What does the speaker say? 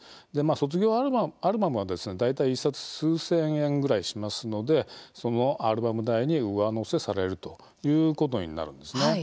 卒業アルバムは大体１冊数千円ぐらいしますのでアルバム代に上乗せされるということになるんです。